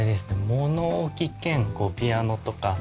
物置兼ピアノとか。